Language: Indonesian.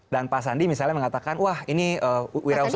dan pak sandi misalnya mengatakan wah ini wirausaha muda